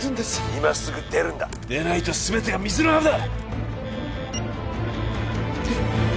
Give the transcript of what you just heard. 今すぐ出るんだ出ないと全てが水の泡だ！